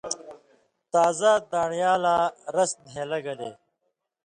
تازہ دان٘ڑیالاں رس نھیلہ گلے